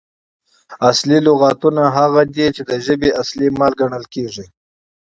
اصلي لغاتونه هغه دي، چي د ژبي اصلي مال ګڼل کیږي.